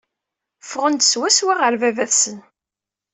Ffɣen-d swaswa ɣer baba-tsen.